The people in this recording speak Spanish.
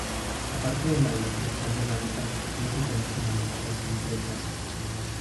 Aparte de la destrucción del hábitat no se conocen amenazas concretas.